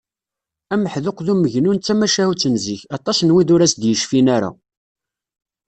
Ameḥduq d umegnun d tamacahut n zik, aṭas n wid ur as-d-yecfin ara